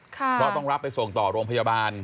เพราะต้องรับไปส่งต่อโรงพยาบาล